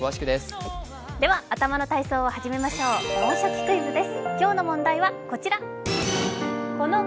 では頭の体操を始めましょう「脳シャキ！クイズ」です。